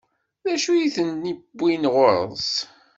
D acu i ten-iwwin ɣur-s?